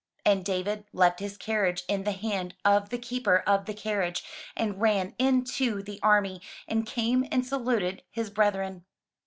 And David left his carriage in the hand of the keeper of the carriage, and ran into the army, and came and saluted his brethren.